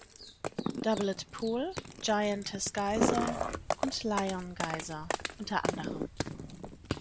Doublet Pool, Giantess Geyser und Lion Geyser, unter anderem.